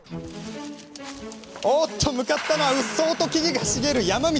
おっと！向かったのはうっそうと木々が茂る山道。